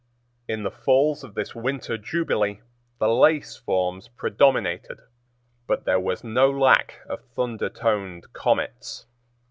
In the falls of this winter jubilee the lace forms predominated, but there was no lack of thunder toned comets.